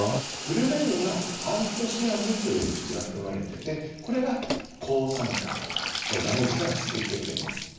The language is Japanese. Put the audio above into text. ブルーベリーにはアントシアニンという物質が含まれててこれが抗酸化ダメージから救ってくれます。